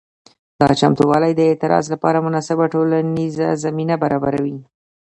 دا چمتووالي د اعتراض لپاره مناسبه ټولنیزه زمینه برابروي.